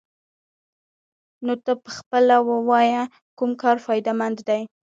نو ته پخپله ووايه کوم کار فايده مند دې.